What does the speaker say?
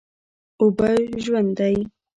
اوبه ژوند دی؟